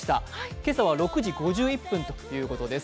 今朝は６時５１分ということです。